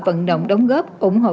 vận động đóng góp ủng hộ